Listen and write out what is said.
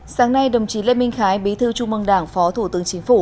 sáng nay đồng chí lê minh khái bí thư chung mân đảng phó thủ tướng chính phủ